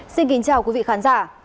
xin kính chào quý vị khán giả